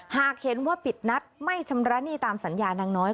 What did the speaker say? หากเห็นว่าปิดนัดไม่ชำระหนี้ตามสัญญานางน้อย